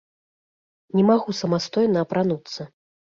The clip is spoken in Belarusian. Не магу самастойна апрануцца.